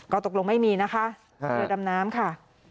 ก็ตกลงไม่มีนะคะเรือดำน้ำค่ะ